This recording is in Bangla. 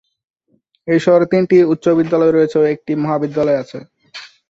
এই শহরে তিনটি উচ্চবিদ্যালয় রয়েছে ও একটি মহাবিদ্যালয় আছে।